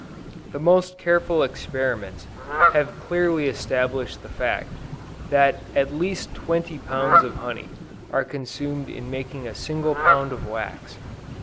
The most careful experiments have clearly established the fact, that at least twenty pounds of honey are consumed in making a single pound of wax.